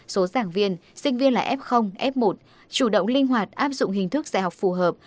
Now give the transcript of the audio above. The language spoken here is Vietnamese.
số giảng viên sinh viên là f f một chủ động linh hoạt áp dụng hình thức dạy học phù hợp